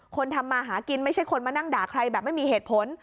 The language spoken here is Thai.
ทำมาหากินไม่ใช่คนมานั่งด่าใครแบบไม่มีเหตุผล